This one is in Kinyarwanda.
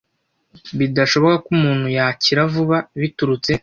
bidashoboka ko umuntu yakira vuba biturutse